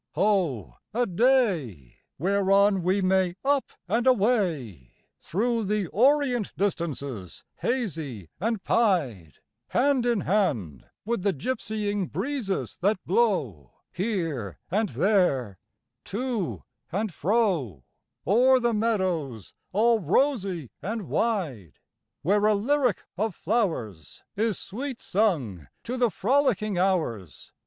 Ho, a day Whereon we may up and away Through the orient distances hazy and pied, Hand in hand with the gypsying breezes that blow Here and there, to and fro, O'er the meadows all rosy and wide, Where a lyric of flowers Is sweet sung to the frolicking hours.